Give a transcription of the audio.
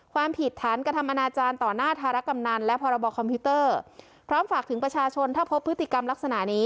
ความผิดฐานกระทำอนาจารย์ต่อหน้าธารกำนันและพรบคอมพิวเตอร์พร้อมฝากถึงประชาชนถ้าพบพฤติกรรมลักษณะนี้